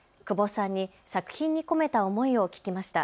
窪さんに作品に込めた思いを聞きました。